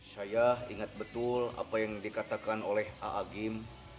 saya ingat betul apa yang dikatakan oleh a'agim